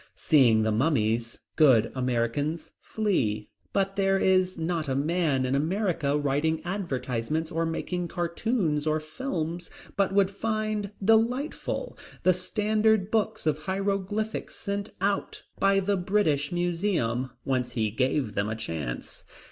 Seeing the mummies, good Americans flee. But there is not a man in America writing advertisements or making cartoons or films but would find delightful the standard books of Hieroglyphics sent out by the British Museum, once he gave them a chance.